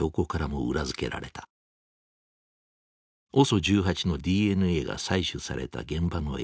ＯＳＯ１８のＤＮＡが採取された現場の映像。